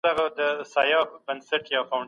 تخلیق که نثر وي که نظم دواړه مهم دي.